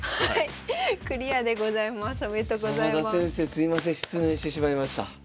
すいません失念してしまいました。